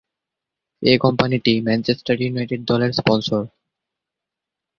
এ কোম্পানিটি Manchester United দলের sponsor.